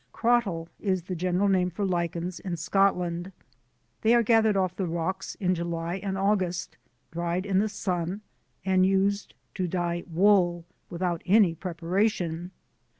"Crottle" is the general name for Lichens in Scotland. They are gathered off the rocks in July and August, dried in the sun, and used to dye wool, without any preparation.